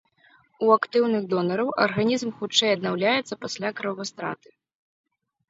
У актыўных донараў арганізм хутчэй аднаўляецца пасля кровастраты.